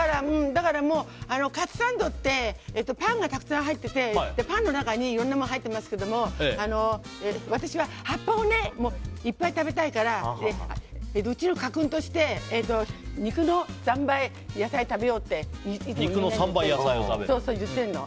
だから、カツサンドってパンがたくさん入っててパンの中にいろんなものが入っていますけど私は葉っぱをいっぱい食べたいからうちの家訓として肉の３倍、野菜を食べようっていつも言ってるの。